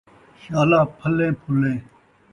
شالا پھَلیں پھُلّیں